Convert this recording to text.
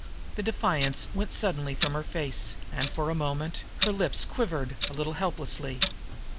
The defiance went suddenly from her face; and, for a moment, her lips quivered a little helplessly.